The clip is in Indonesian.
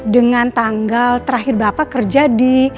dengan tanggal terakhir bapak kerja di